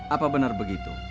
apa benar begitu